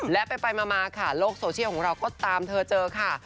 และไปมาค่ะโลกโซเชียลของเราก็ตามเธอเจอค่ะ